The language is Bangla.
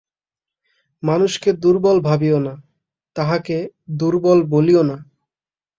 মানুষকে দুর্বল ভাবিও না, তাহাকে দুর্বল বলিও না।